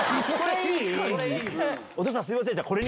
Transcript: お父さんすいませんこれに。